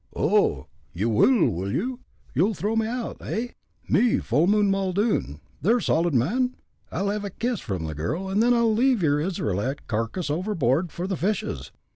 "Oho! you wull, wull you? You'll throw me out, hey? me Full moon Muldoon, ther solid man? I'll hev a kiss from the girl an' then I'll heave yer Israelite carcass overboard for the fishes."